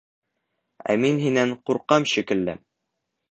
— Ә мин һинән ҡурҡам... шикелле.